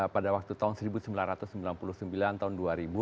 pada waktu tahun seribu sembilan ratus sembilan puluh sembilan tahun dua ribu